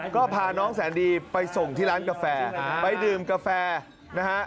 ก็พาน้องแสนดีไปส่งที่ร้านกาแฟไปดื่มกาแฟนะฮะ